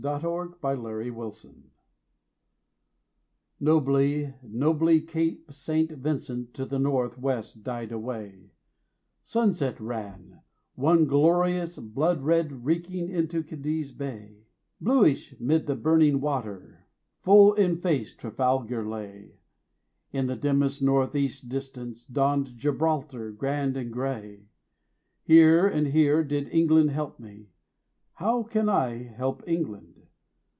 HOME THOUGHTS, FROM THE SEA Nobly, nobly Cape Saint Vincent to the North west died away; Sunset ran, one glorious blood red, reeking into Cadiz Bay; Bluish mid the burning water, full in face Trafalgar lay; In the dimmest North east distance, dawned Gibraltar grand and grey; 'Here and here did England help me: how can I help England?'